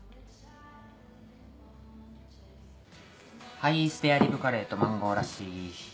はいスペアリブカレーとマンゴーラッシー。